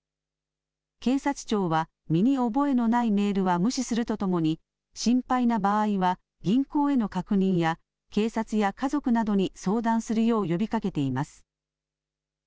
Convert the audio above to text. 警察庁は身に覚えのないメールは無視するとともに心配な場合は銀行への確認や警察や家族などに相談するよう呼びかけています。